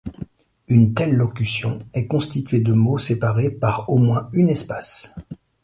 Une telle locution est constituée de mots séparés par au moins une espace.